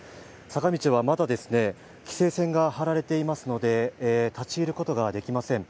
坂道はまだ規制線が張られていますので立ち入ることができません。